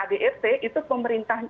det itu pemerintah